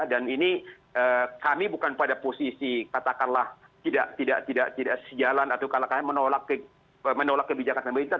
dan ini kami bukan pada posisi katakanlah tidak sejalan atau menolak kebijakan pemerintah